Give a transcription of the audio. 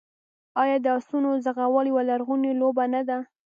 آیا د اسونو ځغلول یوه لرغونې لوبه نه ده؟